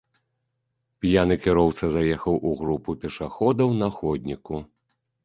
П'яны кіроўца заехаў у групу пешаходаў на ходніку.